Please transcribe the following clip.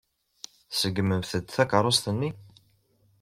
Tṣeggmem-d takeṛṛust-nni.